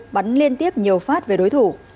bắn liên tiếp nhiều phát về đối thủ